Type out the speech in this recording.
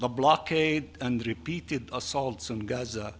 penyelamatan dan penyerangan yang berulang ulang di gaza